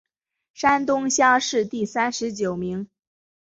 山东乡试第三十九名。